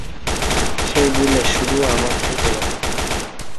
সেই ভুলের শুরু আমার থেকেই।